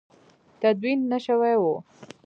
تدوین نه شوي وو.